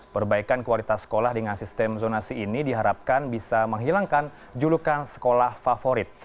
perbaikan kualitas sekolah dengan sistem zonasi ini diharapkan bisa menghilangkan julukan sekolah favorit